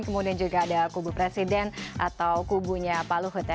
kemudian juga ada kubu presiden atau kubunya pak luhut ya